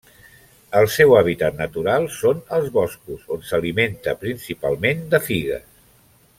El seu hàbitat natural són els boscos, on s'alimenta principalment de figues.